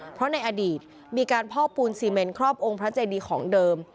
เพราะในอดีตมีการพอกปูนซีเมนครอบองค์พระเจดีของเดิม